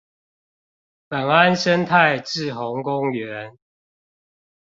本安生態滯洪公園